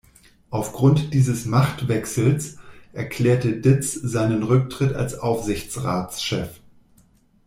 Aufgrund dieses Machtwechsels erklärte Ditz seinen Rücktritt als Aufsichtsratschef.